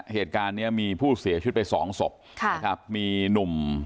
เหตุการณ์เนี้ยมีผู้เสียชีวิตไปสองศพค่ะนะครับมีหนุ่ม